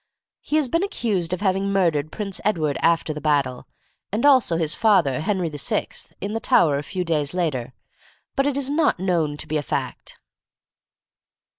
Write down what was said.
He has been accused of having murdered Prince Edward after the battle, and also his father, Henry VI., in the Tower a few days later, but it is not known to be a fact.